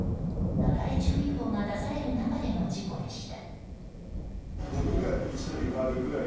なだれ注意報が出される中での事故でした。